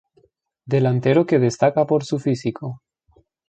Delantero que destaca por su físico.